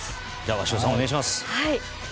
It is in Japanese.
鷲尾さん、お願いします。